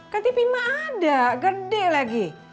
kan tv mak ada gede lagi